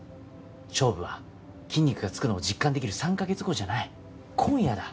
勝負は筋肉が付くのを実感できる３か月後じゃない今夜だ。